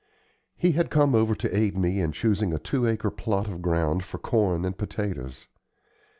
He had come over to aid me in choosing a two acre plot of ground for corn and potatoes.